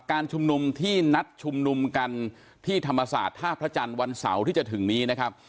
การชุมนุมที่นัดชุมนุมกันที่ธรรมศาสตร์ท่าพระจันทร์วันเสาร์ที่จะถึงนี้นะครับ